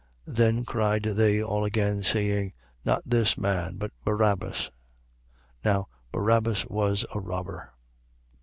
18:40. Then cried they all again, saying: Not this man, but Barabbas. Now Barabbas was a robber.